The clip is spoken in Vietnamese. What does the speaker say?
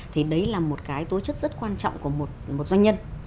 thì đấy là một cái tố chất rất quan trọng của một doanh nhân